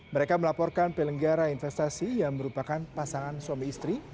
mereka melaporkan penyelenggara investasi yang merupakan pasangan suami istri